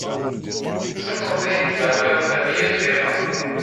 Tzemreḍ ad yi-d-tawiḍ tabyirt-iḍen?